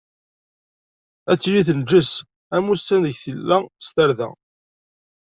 Ad tili tenǧes am wussan ideg tella s tarda.